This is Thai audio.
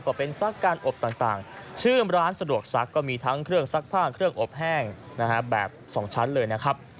ก็เป็นซักการอบต่างชื่อร้านสะดวกซักก็มีทั้งเครื่องซักผ้าเครื่องอบแห้งนะฮะแบบสองชั้นเลยนะครับ